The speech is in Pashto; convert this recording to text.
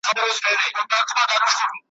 چي په ژوند کي دداسي خوشحالۍ